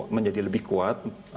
menjadi lebih kuat